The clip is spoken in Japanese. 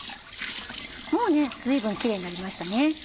もう随分キレイになりましたね。